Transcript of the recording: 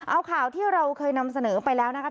เอาข่าวที่เราเคยนำเสนอไปแล้วนะคะ